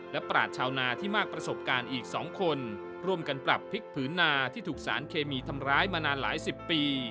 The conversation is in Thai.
และปราศชาวนาที่มากประสบการณ์อีก๒คนร่วมกันปรับพริกผืนนาที่ถูกสารเคมีทำร้ายมานานหลายสิบปี